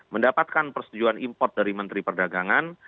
mendapatkan persetujuan import dari menteri perdagangan